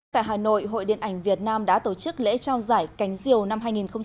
tại hà nội hội điện ảnh việt nam đã tổ chức lễ trao giải cánh diều năm hai nghìn hai mươi